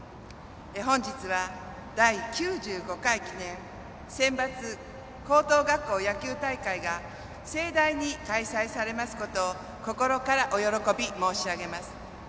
本日は、第９５回記念選抜高等学校野球大会が盛大に開催されますことを心からお喜び申し上げます。